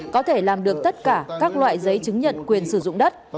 có thể làm được tất cả các loại giấy chứng nhận quyền sử dụng đất